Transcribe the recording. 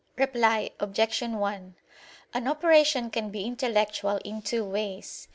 Reply Obj. 1: An operation can be intellectual in two ways.